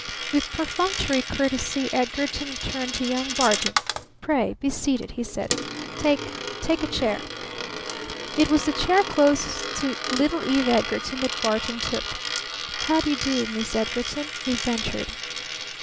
'" With perfunctory courtesy Edgarton turned to young Barton. "Pray be seated," he said; "take take a chair." It was the chair closest to little Eve Edgarton that Barton took. "How do you do, Miss Edgarton?" he ventured.